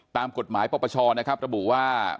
ตามกฎหมายปปชนะครับระบุว่า